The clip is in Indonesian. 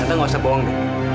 tante gak usah bohong deh